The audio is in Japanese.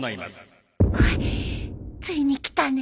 ついにきたね